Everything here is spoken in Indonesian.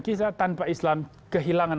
kita tanpa islam kehilangan